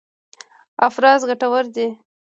افراز ګټور دی.